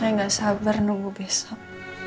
saya nggak sabar nunggu besok